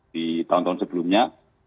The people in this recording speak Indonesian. di tahun tahun sebelumnya